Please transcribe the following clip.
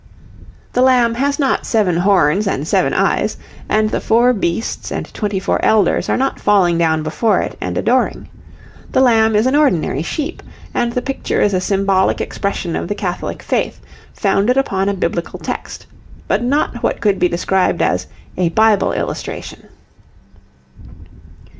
The Lamb has not seven horns and seven eyes, and the four beasts and twenty four elders are not falling down before it and adoring. The Lamb is an ordinary sheep, and the picture is a symbolic expression of the Catholic faith, founded upon a biblical text, but not what could be described as 'a Bible illustration.'